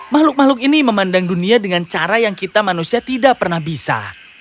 makhluk makhluk ini memandang dunia dengan cara yang kita manusia tidak pernah bisa